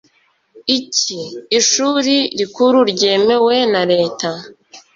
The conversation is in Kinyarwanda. icy ishuri rikuru ryemewe na leta